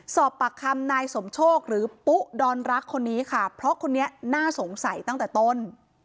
สอบปากคำนายสมโชคหรือปุ๊ดอนรักคนนี้ค่ะเพราะคนนี้น่าสงสัยตั้งแต่ต้น